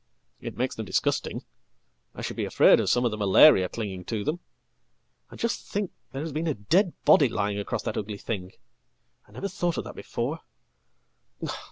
""It makes them disgusting. I should be afraid of some of the malariaclinging to them. And just think, there has been a dead body lying acrossthat ugly thing! I never thought of that before.